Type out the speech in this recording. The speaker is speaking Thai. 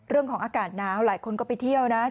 เรื่องของอากาศหนาวหลายคนก็ไปเที่ยวนะ